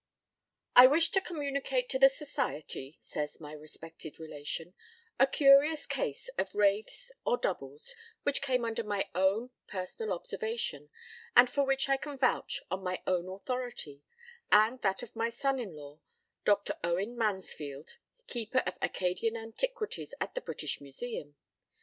p> "I wish to communicate to the Society," says my respected relation, "a curious case of wraiths or doubles, which came under my own personal observation, and for which I can vouch on my own authority, and that of my son in law, Dr. Owen Mansfield, keeper of Accadian Antiquities at the British Museum.